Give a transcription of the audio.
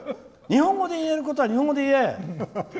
日本語で言えることは日本語で言え！